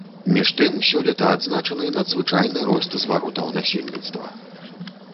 Між тым, сёлета адзначаны надзвычайны рост зваротаў насельніцтва.